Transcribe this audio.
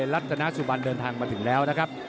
รัฐนาสุบันเดินทางมาถึงแล้วนะครับ